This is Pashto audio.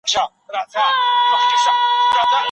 د ډیپلوماسۍ په چوکاټ کي د وګړو ازادي نه تضمین کیږي.